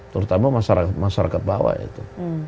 terutama masyarakat bawah itu